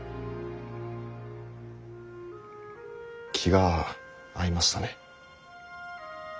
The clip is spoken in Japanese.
気が合いましたね。